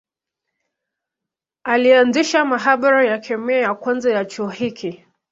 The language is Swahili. Alianzisha maabara ya kemia ya kwanza ya chuo hiki.